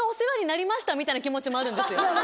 みたいな気持ちもあるんですよ。